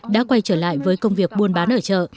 đã quay trở lại với công việc buôn bán ở chợ